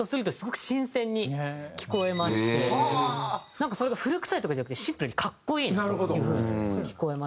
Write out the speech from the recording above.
なんかそれが古臭いとかじゃなくてシンプルに格好いいという風に聞こえまして。